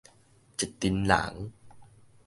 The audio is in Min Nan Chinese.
一陣人